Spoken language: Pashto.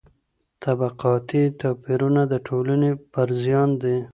طبقاتي توپیرونه د ټولني پر زیان دي.